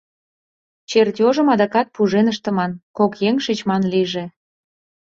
Чертёжым адакат пужен ыштыман: кок еҥ шичман лийже.